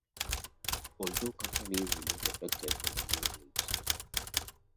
Although, companies would not be affected by the new rules.